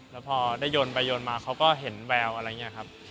แล้วพอได้โยนไปโยนมาเขาก็เห็นแววอะไรอย่างนี้ครับ